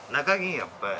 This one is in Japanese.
やっぱり。